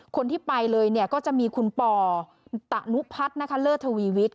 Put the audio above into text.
คนที่ไปเลยก็จะมีคุณป่อตะนุพัดเลอร์ทวีวิทย์